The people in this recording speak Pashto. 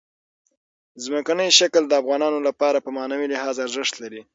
ځمکنی شکل د افغانانو لپاره په معنوي لحاظ ارزښت لري.